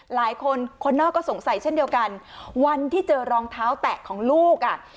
คนคนนอกก็สงสัยเช่นเดียวกันวันที่เจอรองเท้าแตะของลูกอ่ะ